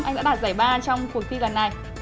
anh đã đạt giải ba trong cuộc thi lần này